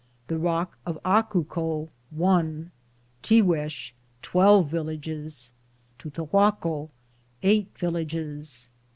The rock of Acuco, one. Tiguex, twelve villages. Tutahaco, eight villages.